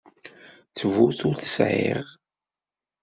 Ttbut ur t-sεiɣ.